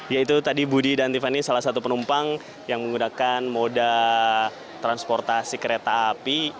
ya itu tadi budi dan tiffany salah satu penumpang yang menggunakan moda transportasi kereta api